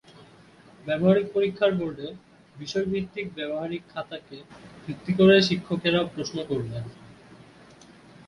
ব্যবহারিক পরীক্ষার বোর্ডে বিষয়ভিত্তিক ব্যবহারিক খাতাকে ভিত্তি করে শিক্ষকেরা প্রশ্ন করবেন।